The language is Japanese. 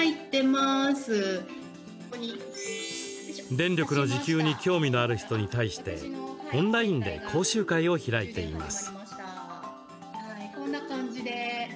電力の自給に興味のある人に対してオンラインで講習会を開いています。